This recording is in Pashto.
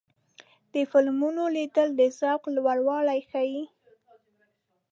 د فلمونو لیدل د ذوق لوړوالی ښيي.